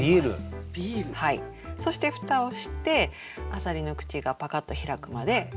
そして蓋をしてあさりの口がパカッと開くまで蒸します。